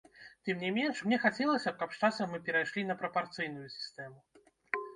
Тым не менш, мне хацелася б, каб з часам мы перайшлі на прапарцыйную сістэму.